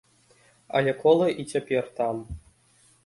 Але колы і цяпер там.